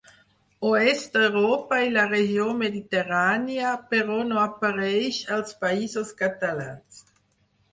Oest d'Europa i la regió mediterrània però no apareix als Països Catalans.